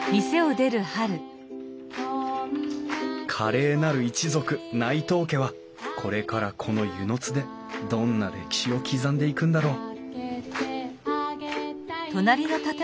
華麗なる一族内藤家はこれからこの温泉津でどんな歴史を刻んでいくんだろう